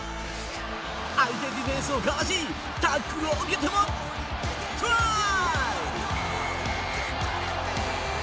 相手ディフェンスを交わしタックルを受けてもトライ！